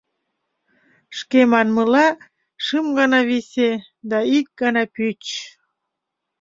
Шке манмыла, шым гана висе, да ик гана пӱч.